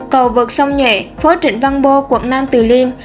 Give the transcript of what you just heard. cầu vượt sông nhuệ phó trịnh văn bô quận nam từ liêm